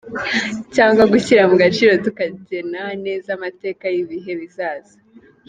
cyangwa gushyira mu gaciro tukagena neza amateka y’ibihe bizaza ?